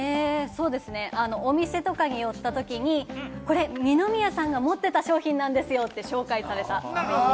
お店とかに寄ったときに、これ二宮さんが持ってた商品なんですよって紹介された。